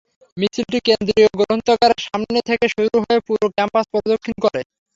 মিছিলটি কেন্দ্রীয় গ্রন্থাগারের সামনে থেকে শুরু হয়ে পুরো ক্যাম্পাস প্রদক্ষিণ করে।